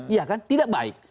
iya kan tidak baik